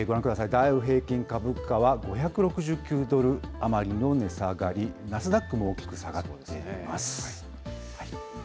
ダウ平均株価は５６９ドル余りの値下がり、ナスダックも大きく下がっています。